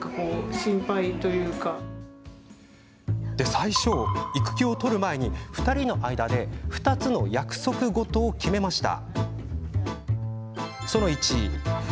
最初、育休を取る前に２人の間で２つの約束事を決めました。